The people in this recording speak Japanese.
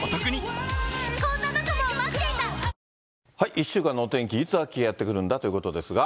１週間のお天気、いつ秋がやって来るんだということですが。